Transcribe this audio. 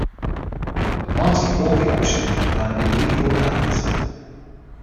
The party called the action "an illegal act".